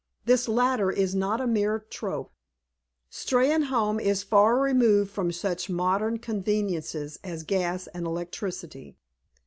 This latter is not a mere trope. Steynholme is far removed from such modern "conveniences" as gas and electricity.